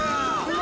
何？